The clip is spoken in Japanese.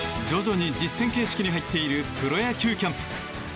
徐々に実戦形式に入っているプロ野球キャンプ。